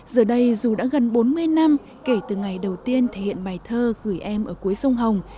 giờ đây dù đã gần bốn mươi năm kể từ ngày đầu tiên thể hiện bài thơ gửi em ở cuối sông hồng